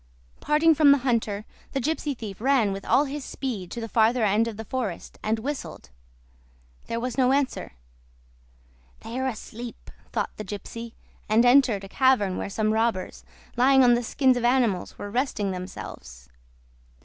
Parting from the hunter, the gypsy thief ran with all his speed to the farther end of the forest, and whistled. There was no answer. "They are asleep," thought the gypsy, and entered a cavern where some robbers, lying on the skins of animals, were resting themselves.